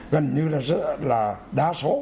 gần như là rất là đa số